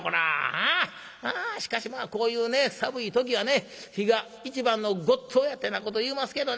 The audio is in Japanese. ああしかしまあこういうね寒い時はね火が一番のごっつおやってなこと言いますけどね。